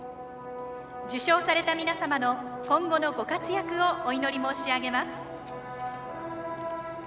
受賞された皆様の今後のご活躍をお祈り申し上げます。